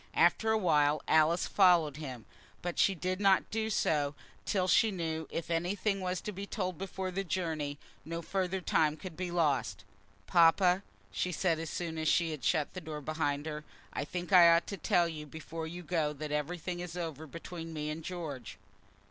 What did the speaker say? After a while Alice followed him, but she did not do so till she knew that if anything was to be told before the journey no further time could be lost. "Papa," she said, as soon as she had shut the door behind her, "I think I ought to tell you before you go that everything is over between me and George."